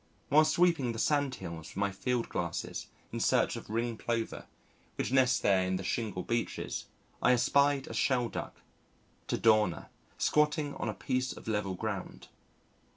While sweeping the sandhills with my field glasses in search of Ring Plover, which nest there in the shingle beaches, I espied a Shelduck (Tadorna) squatting on a piece of level ground.